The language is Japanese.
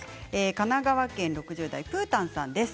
神奈川県６０代の方からです。